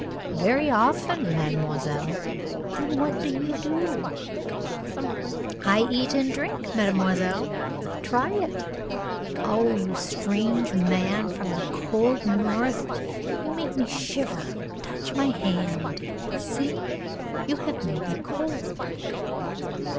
"Very often, mademoiselle." "Then what do you do?" "I eat and drink, mademoiselle. Try it." "Oh, you strange man from the cold north! You make me shiver. Touch my hand. See? You have made me cold."